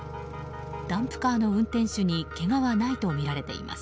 ダンプカーの運転手にけがはないとみられています。